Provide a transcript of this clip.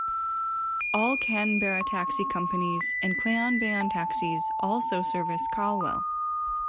All Canberra taxi companies and Queanbeyan taxis also service Calwell.